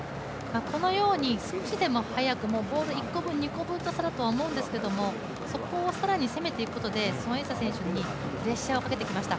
このように少しでも速く、ボール１個分、２個分の差だとは思うんですけどそこを更に攻めていくことで孫エイ莎選手にプレッシャーをかけてきました。